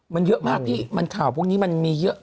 มันเยอะมากพี่มันข่าวพวกนี้มันมีเยอะ